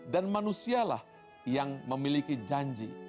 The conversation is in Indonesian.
dan manusialah yang memiliki janji